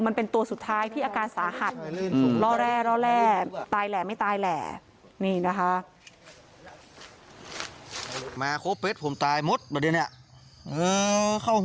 มันเป็นตัวสุดท้ายที่อาการสาหัสล่อแร่ตายแหล่ะไม่ตายแหล่ะ